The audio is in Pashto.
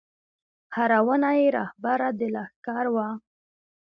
هره ونه یې رهبره د لښکر وه